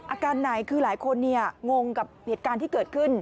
อาการไหนคือหลายคนงงกับเหตุการณ์ที่เกิดขึ้น